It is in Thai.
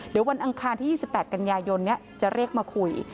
เดี๋ยววันอังคารที่๒๘กันยายนจะเรียกมาคุย